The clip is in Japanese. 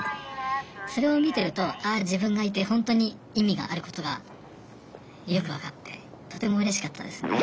それを見てるとああ自分がいてほんとに意味があることがよく分かってとてもうれしかったですね。